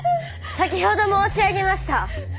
先ほど申し上げました。